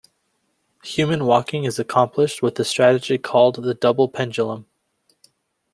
Human walking is accomplished with a strategy called the double pendulum.